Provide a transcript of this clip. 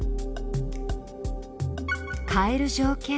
変える条件